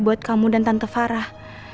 buat kamu dan tanpa farah